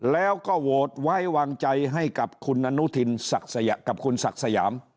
แล้วก็โหวตไว้วางใจให้กับคุณสักสยาม